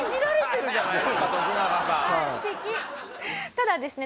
ただですね